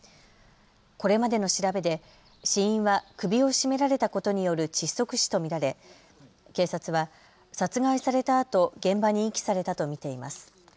これまでの調べで、死因は首を絞められたことによる窒息死と見られ警察は殺害されたあと現場に遺棄されたと見ています。